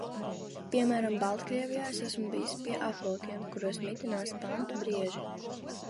Piemēram, Baltkrievijā es esmu bijis pie aplokiem, kuros mitinās pantu brieži.